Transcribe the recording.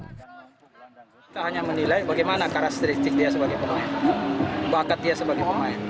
kita hanya menilai bagaimana karakteristik dia sebagai pemain bakat dia sebagai pemain